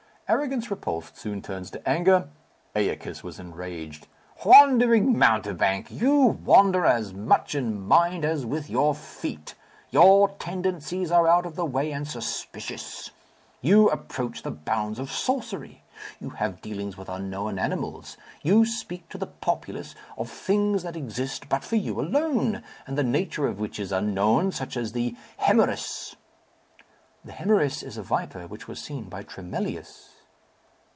Arrogance repulsed soon turns to anger. Æacus was enraged. "Wandering mountebank! you wander as much in mind as with your feet. Your tendencies are out of the way and suspicious. You approach the bounds of sorcery. You have dealings with unknown animals. You speak to the populace of things that exist but for you alone, and the nature of which is unknown, such as the hoemorrhoüs." "The hoemorrhoüs is a viper which was seen by Tremellius."